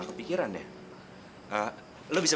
tuh makasih ya